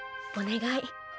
お願い。